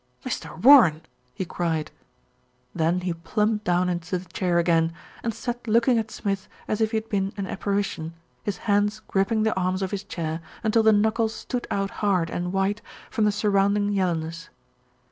"Mr. Warren!" he cried. Then he plumped down into the chair again, and sat looking at Smith as if he had been an apparition, his hands gripping the arms of his chair until the knuckles stood out hard and white from the surrounding yellow ness.